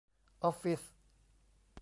ออฟฟิศ